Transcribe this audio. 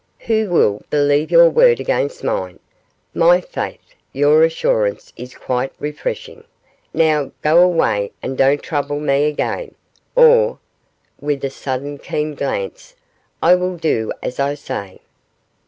Who will believe your word against mine? My faith! your assurance is quite refreshing. Now, go away, and don't trouble me again, or,' with a sudden keen glance, 'I will do as I say.